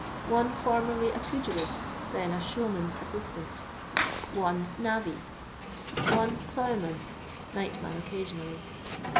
1 Formerly a pugiUst, then a showman's as sistant 1 Navvy. 1 Ploughman (nightman occasionally).